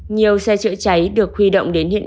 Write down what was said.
nhiều xe chữa cháy đã bị bắt